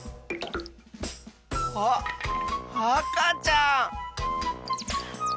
あっあかちゃん！